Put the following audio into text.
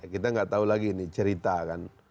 kita nggak tahu lagi ini cerita kan